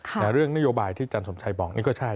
แต่เรื่องนโยบายที่อาจารย์สมชัยบอกนี่ก็ใช่